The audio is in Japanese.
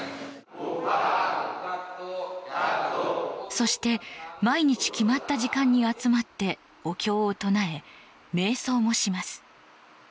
そして毎日決まった時間に集まってお経を唱え、瞑想もします。